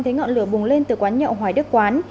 thấy ngọn lửa bùng lên từ quán nhậu hoài đức quán